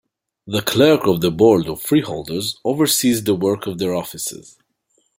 The Clerk of the Board of Freeholders oversees the work of their offices.